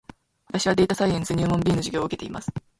私はデータサイエンス入門 B の授業を受けています